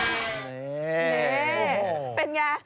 ท่านผู้เช็คสัพเตียของชาติที่มี